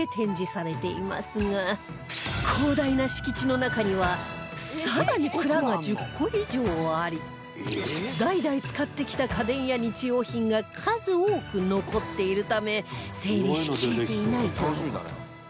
広大な敷地の中にはさらに蔵が１０個以上あり代々使ってきた家電や日用品が数多く残っているため整理しきれていないとの事